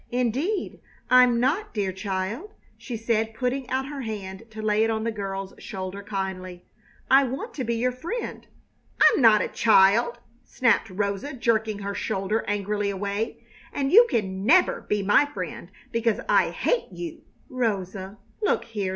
"Indeed I'm not, dear child," she said, putting out her hand to lay it on the girl's shoulder kindly. "I want to be your friend." "I'm not a child!" snapped Rosa, jerking her shoulder angrily away; "and you can never be my friend, because I hate you!" "Rosa, look here!"